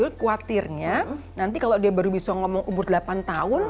jadi aku khawatirnya nanti kalau dia baru bisa ngomong umur delapan tahun